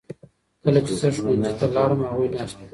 کله چې زه ښوونځي ته لاړم هغوی ناست وو.